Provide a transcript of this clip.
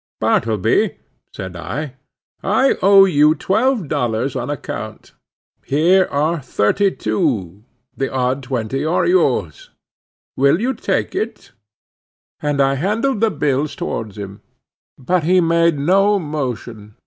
"Bartleby," said I, "I owe you twelve dollars on account; here are thirty two; the odd twenty are yours.—Will you take it?" and I handed the bills towards him. But he made no motion.